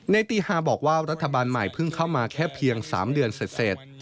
ตี๕บอกว่ารัฐบาลใหม่เพิ่งเข้ามาแค่เพียง๓เดือนเสร็จ